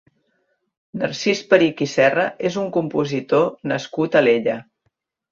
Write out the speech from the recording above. Narcís Perich i Serra és un compositor nascut a Alella.